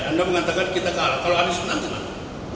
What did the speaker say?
anda mengatakan kita kalah kalau anies menantang nanti